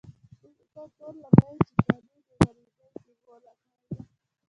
اوس ته تور لګوې چې قانع د غريبۍ پېغور راکړی دی.